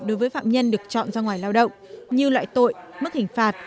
đối với phạm nhân được chọn ra ngoài lao động như loại tội mức hình phạt